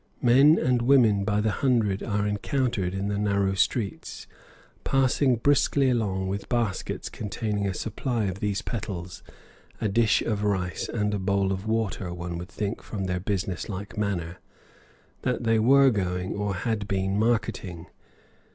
Men and women by the hundred are encountered in the narrow streets, passing briskly along with baskets containing a supply of these petals, a dish of rice, and a bowl of water; one would think, from their business like manner, that they were going, or had been, marketing.